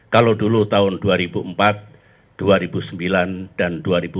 kalau dulu tahun dua ribu empat dua ribu sembilan dan dua ribu empat